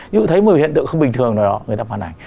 ví dụ thấy một hiện tượng không bình thường nào đó người ta phản ảnh